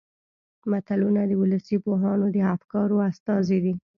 متلونه د ولسي پوهانو د افکارو استازي دي